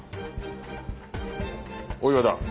大岩だ。